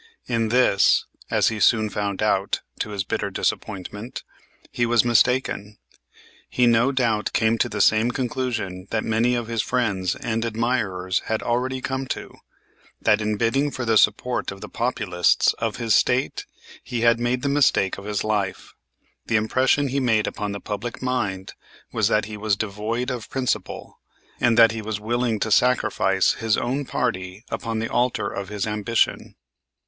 In this, as he soon found out, to his bitter disappointment, he was mistaken. He no doubt came to the same conclusion that many of his friends and admirers had already come to, that in bidding for the support of the Populists of his State he had made the mistake of his life. The impression he made upon the public mind was that he was devoid of principle, and that he was willing to sacrifice his own party upon the altar of his ambition.